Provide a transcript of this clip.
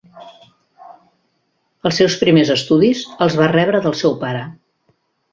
Els seus primers estudis els va rebre del seu pare.